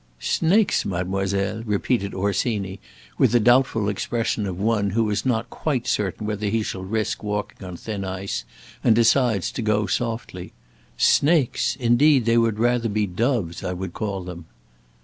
"Snakes, mademoiselle!" repeated Orsini, with the doubtful expression of one who is not quite certain whether he shall risk walking on thin ice, and decides to go softly: "Snakes! Indeed they would rather be doves I would call them."